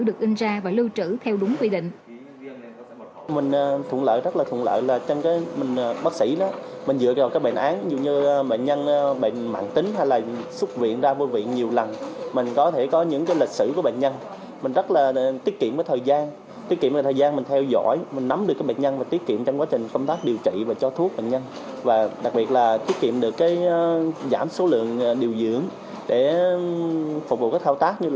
được in ra và lưu trữ theo đúng quy định